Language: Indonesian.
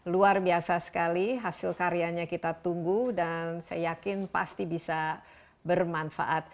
luar biasa sekali hasil karyanya kita tunggu dan saya yakin pasti bisa bermanfaat